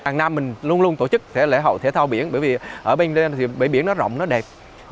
cẩm an luôn luôn tổ chức lễ hậu thể thao biển bởi vì ở bên đây bãi biển nó rộng nó đẹp